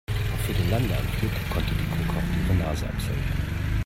Für den Landeanflug konnte die Concorde ihre Nase absenken.